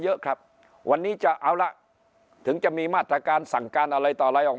เยอะครับวันนี้จะเอาละถึงจะมีมาตรการสั่งการอะไรต่ออะไรออก